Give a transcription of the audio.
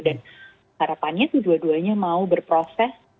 dan harapannya tuh dua duanya mau berhubungan dengan rumah tangga